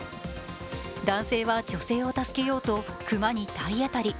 男性は女性を助けようと熊に体当たり。